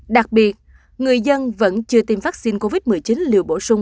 đặc biệt người dân vẫn chưa tiêm vaccine covid một mươi chín liều bổ sung